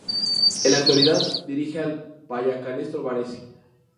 En la actualidad dirige al Pallacanestro Varese.